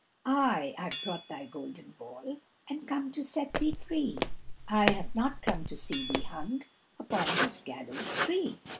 "Aye, I have brought thy golden ball And come to set thee free, I have not come to see thee hung Upon this gallows tree."